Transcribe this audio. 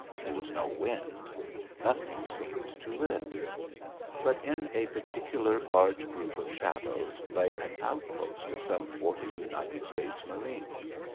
There was no wind; nothing seemed to live. But in a particular large group of shadows lay an outpost of some forty United States marines.